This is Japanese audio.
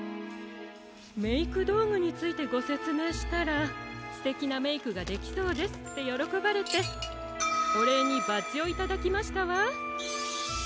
メイクどうぐについてごせつめいしたら「すてきなメイクができそうです」ってよろこばれておれいにバッジをいただきましたわ。